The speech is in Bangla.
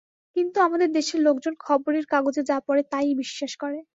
কিন্তু আমাদের দেশের লোকজন খবরের কাগজে যা পড়ে তা-ই বিশ্বাস করে।